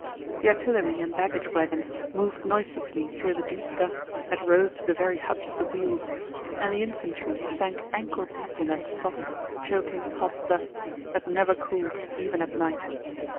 The artillery and baggage wagons moved noiselessly through the deep dust that rose to the very hubs of the wheels, and the infantry sank ankle deep in that soft, choking, hot dust that never cooled even at night.